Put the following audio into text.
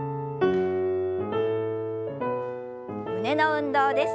胸の運動です。